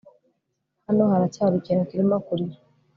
Hano haracyari ikintu kirimo kurira